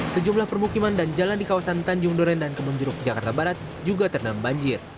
sejumlah permukiman dan jalan di kawasan tanjung doren dan kemunjuruk jakarta barat juga tergenang banjir